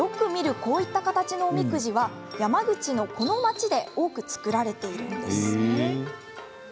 こういった形のおみくじは山口のこの町で多く作られているんです。